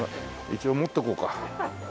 一応持っとこうか。